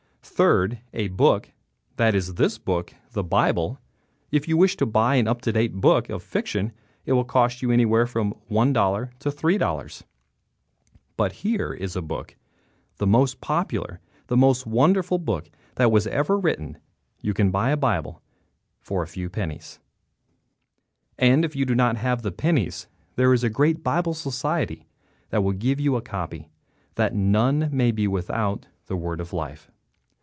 Third, a book, that is this book, the Bible. If you wish to buy an up to date book of fiction it will cost you anywhere from $1.00 to $3.00. But here is a book, the most popular, the most wonderful book that was ever written. You can buy a Bible for a few pennies, and if you do not have the pennies there is a great Bible Society that will give you a copy, that none may be without the Word of Life.